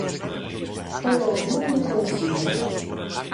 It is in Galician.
Todo o mundo coincide.